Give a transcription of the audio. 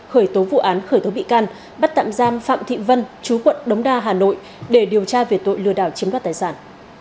khởi tố vụ án khởi tố bị can bắt tạm giam phạm thị vân chú quận đống đa hà nội để điều tra về tội lừa đảo chiếm đoạt tài sản